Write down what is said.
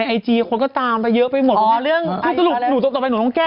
สวัสดีค่ะข้าวใส่ไข่สดใหม่เยอะสวัสดีค่ะ